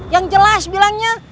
yang jelas bilangnya